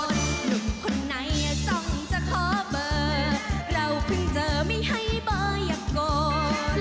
หนุ่มคนไหนจ้องจะขอเบอร์เราเพิ่งเจอไม่ให้เบอร์อย่างก่อน